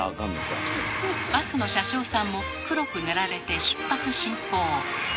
バスの車掌さんも黒く塗られて出発進行。